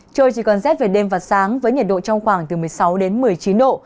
trời chỉ còn rét về đêm và sáng với nhiệt độ trong khoảng từ một mươi sáu đến một mươi chín độ